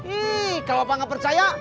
ih kalau pak gak percaya